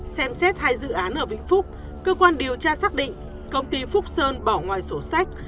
xem xét hai dự án ở vĩnh phúc cơ quan điều tra xác định công ty phúc sơn bỏ ngoài sổ sách